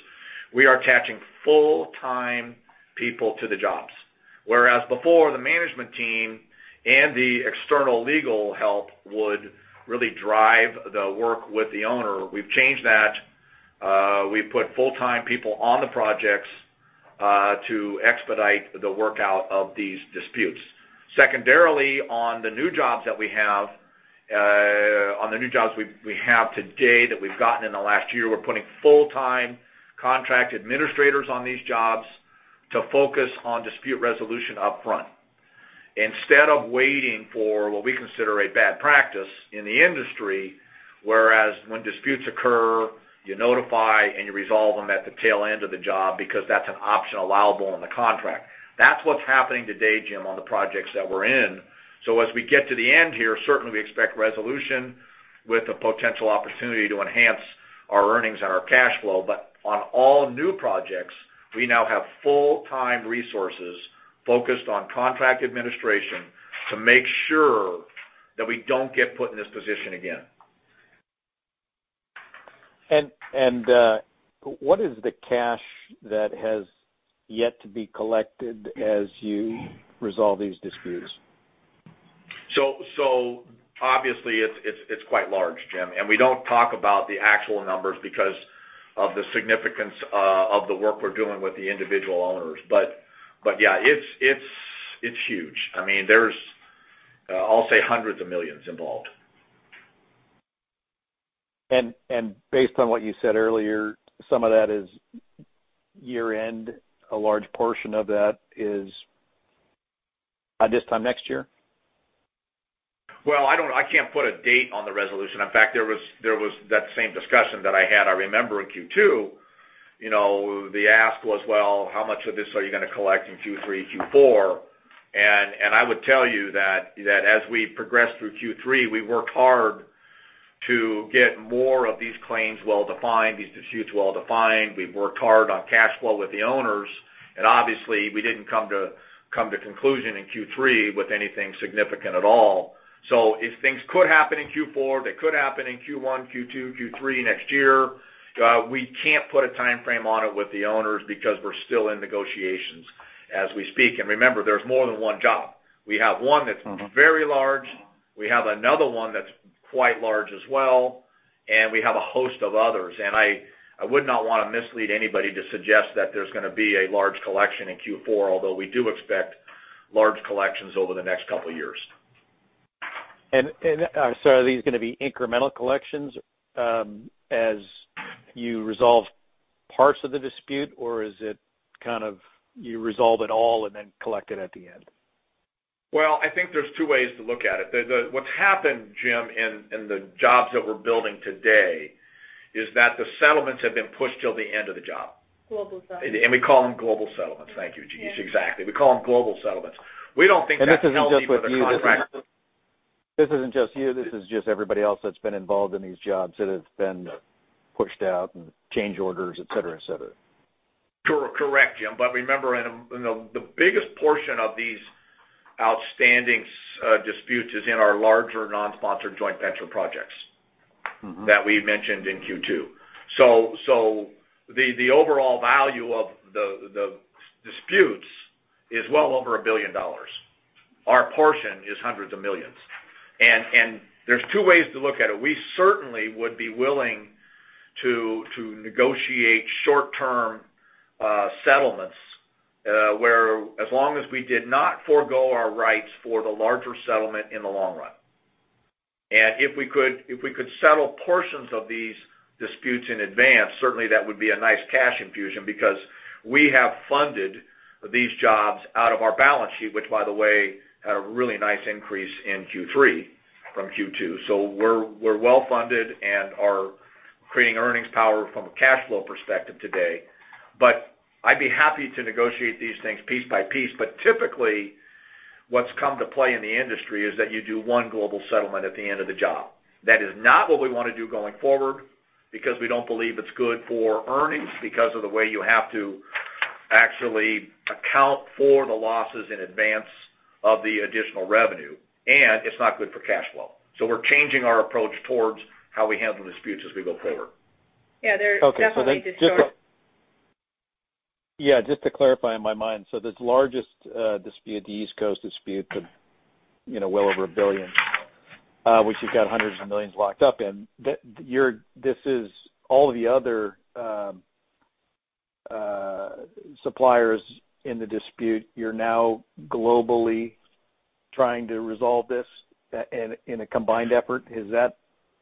We are attaching full-time people to the jobs, whereas before, the management team and the external legal help would really drive the work with the owner. We've changed that. We've put full-time people on the projects to expedite the workout of these disputes. Secondarily, on the new jobs that we have today, that we've gotten in the last year, we're putting full-time contract administrators on these jobs to focus on dispute resolution upfront, instead of waiting for what we consider a bad practice in the industry, whereas when disputes occur, you notify, and you resolve them at the tail end of the job, because that's an option allowable in the contract. That's what's happening today, Jim, on the projects that we're in. So as we get to the end here, certainly we expect resolution with a potential opportunity to enhance our earnings and our cash flow. But on all new projects, we now have full-time resources focused on contract administration to make sure that we don't get put in this position again. And, what is the cash that has yet to be collected as you resolve these disputes? So obviously, it's quite large, Jim, and we don't talk about the actual numbers because of the significance of the work we're doing with the individual owners. But yeah, it's huge. I mean, there's, I'll say $hundreds of millions involved. Based on what you said earlier, some of that is year-end, a large portion of that is by this time next year? Well, I don't. I can't put a date on the resolution. In fact, there was that same discussion that I had, I remember in Q2, you know, the ask was: Well, how much of this are you gonna collect in Q3, Q4? And I would tell you that as we progressed through Q3, we worked hard to get more of these claims well defined, these disputes well defined. We've worked hard on cash flow with the owners, and obviously, we didn't come to conclusion in Q3 with anything significant at all. So if things could happen in Q4, they could happen in Q1, Q2, Q3, next year. We can't put a timeframe on it with the owners because we're still in negotiations as we speak. And remember, there's more than one job. We have one that's very large, we have another one that's quite large as well, and we have a host of others. I would not want to mislead anybody to suggest that there's gonna be a large collection in Q4, although we do expect large collections over the next couple of years. So, are these gonna be incremental collections as you resolve parts of the dispute, or is it kind of you resolve it all and then collect it at the end? Well, I think there's two ways to look at it. What's happened, Jim, in the jobs that we're building today, is that the settlements have been pushed till the end of the job. Global settlements. We call them global settlements. Thank you, Jigisha. Yeah. Exactly. We call them global settlements. We don't think that's healthy for the contract- This isn't just you, this is just everybody else that's been involved in these jobs that have been pushed out and change orders, et cetera, et cetera. Correct, Jim. But remember, and, you know, the biggest portion of these outstanding disputes is in our larger non-sponsored joint venture projects that we mentioned in Q2. So the overall value of the disputes is well over $1 billion. Our portion is $hundreds of millions. And there's two ways to look at it. We certainly would be willing to negotiate short-term settlements, where as long as we did not forego our rights for the larger settlement in the long run.... And if we could settle portions of these disputes in advance, certainly that would be a nice cash infusion because we have funded these jobs out of our balance sheet, which, by the way, had a really nice increase in Q3 from Q2. So we're well funded and are creating earnings power from a cash flow perspective today. But I'd be happy to negotiate these things piece by piece. Typically, what's come to play in the industry is that you do one global settlement at the end of the job. That is not what we wanna do going forward, because we don't believe it's good for earnings, because of the way you have to actually account for the losses in advance of the additional revenue, and it's not good for cash flow. We're changing our approach towards how we handle disputes as we go forward. Yeah, there's definitely. Okay, so yeah, just to clarify in my mind, so this largest dispute, the East Coast dispute, you know, well over $1 billion, which you've got $ hundreds of millions locked up in. This is all the other suppliers in the dispute; you're now globally trying to resolve this in a combined effort? Is that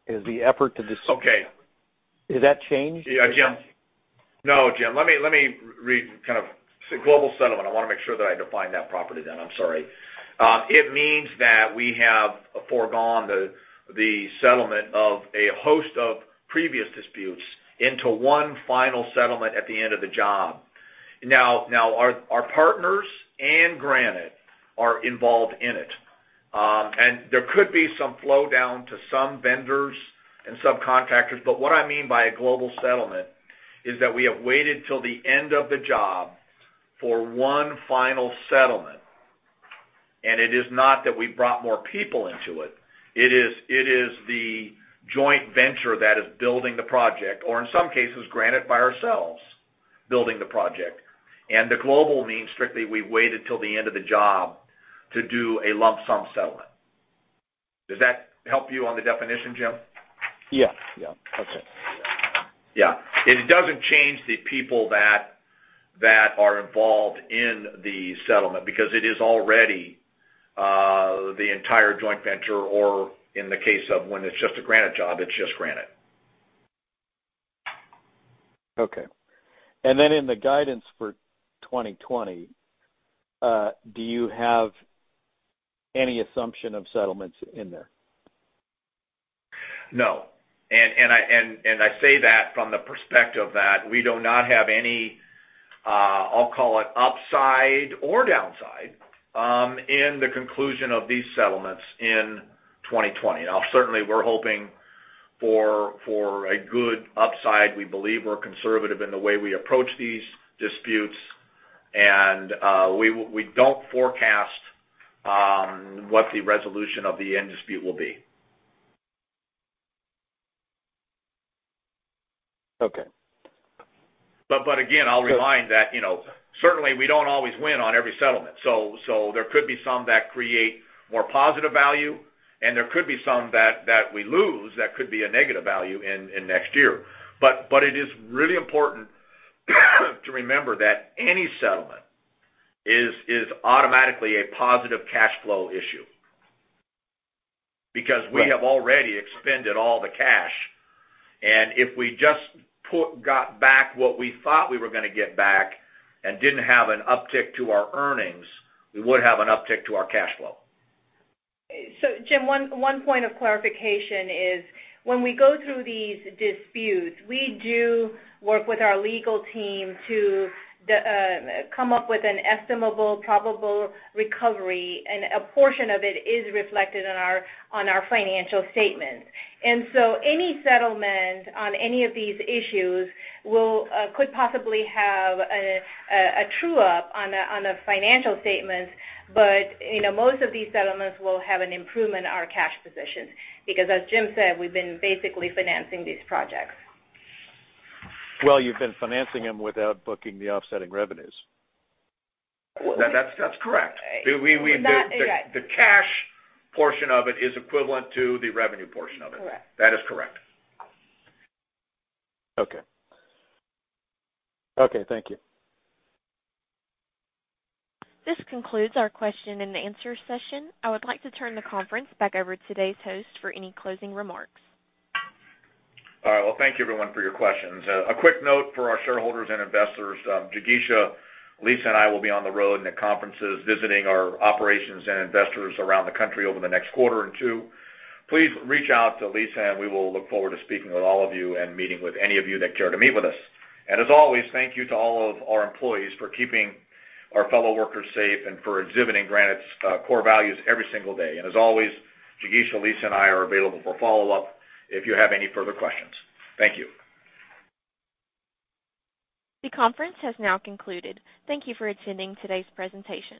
the effort to? Okay. Has that changed? Yeah, Jim. No, Jim. So global settlement, I wanna make sure that I define that properly, then. I'm sorry. It means that we have foregone the settlement of a host of previous disputes into one final settlement at the end of the job. Now, our partners and Granite are involved in it. And there could be some flow down to some vendors and subcontractors, but what I mean by a global settlement is that we have waited till the end of the job for one final settlement, and it is not that we brought more people into it. It is the joint venture that is building the project, or in some cases, Granite by ourselves, building the project. The Global means, strictly, we've waited till the end of the job to do a lump sum settlement. Does that help you on the definition, Jim? Yes. Yeah, that's it. Yeah. It doesn't change the people that are involved in the settlement, because it is already the entire joint venture, or in the case of when it's just a Granite job, it's just Granite. Okay. Then in the guidance for 2020, do you have any assumption of settlements in there? No, I say that from the perspective that we do not have any, I'll call it upside or downside, in the conclusion of these settlements in 2020. Now, certainly we're hoping for a good upside. We believe we're conservative in the way we approach these disputes, and we don't forecast what the resolution of the end dispute will be. Okay. But again, I'll remind that, you know, certainly we don't always win on every settlement. So there could be some that create more positive value, and there could be some that we lose, that could be a negative value in next year. But it is really important to remember that any settlement is automatically a positive cash flow issue. Because we have already expended all the cash, and if we just got back what we thought we were gonna get back and didn't have an uptick to our earnings, we would have an uptick to our cash flow. So Jim, one point of clarification is when we go through these disputes, we do work with our legal team to come up with an estimable, probable recovery, and a portion of it is reflected on our financial statements. So any settlement on any of these issues could possibly have a true-up on a financial statement, but, you know, most of these settlements will have an improvement in our cash position, because, as Jim said, we've been basically financing these projects. Well, you've been financing them without booking the offsetting revenues. Well, that's, that's correct. Right. We, we, we. That, yeah. The cash portion of it is equivalent to the revenue portion of it. Correct. That is correct. Okay. Okay, thank you. This concludes our question-and-answer session. I would like to turn the conference back over to today's host for any closing remarks. All right. Well, thank you everyone for your questions. A quick note for our shareholders and investors, Jigisha, Lisa, and I will be on the road in the conferences, visiting our operations and investors around the country over the next quarter or two. Please reach out to Lisa, and we will look forward to speaking with all of you and meeting with any of you that care to meet with us. And as always, thank you to all of our employees for keeping our fellow workers safe and for exhibiting Granite's core values every single day. And as always, Jigisha, Lisa, and I are available for follow-up if you have any further questions. Thank you. The conference has now concluded. Thank you for attending today's presentation.